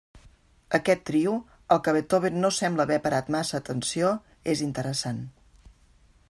Aquest trio, al que Beethoven no sembla haver parat massa atenció, és interessant.